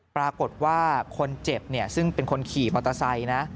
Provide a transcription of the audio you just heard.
ปรากฏว่าคนเจ็บซึ่งเป็นคนขี่มอเตอร์ไซค์นะ